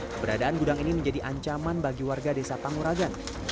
keberadaan gudang ini menjadi ancaman bagi warga desa panguragan